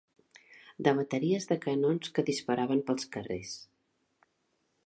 ...de bateries de canons que disparaven pels carrers